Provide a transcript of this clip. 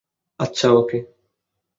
আচ্ছা, ওকে।